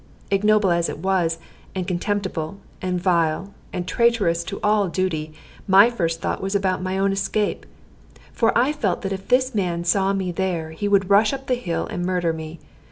Ignoble as it was, and contemptible, and vile, and traitorous to all duty, my first thought was about my own escape; for I felt that if this man saw me there he would rush up the hill and murder me.